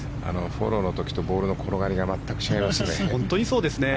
フォローの時とボールの転がりが全く違いますね。